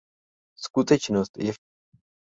Skutečnost je však jiná.